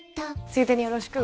ついでによろしく！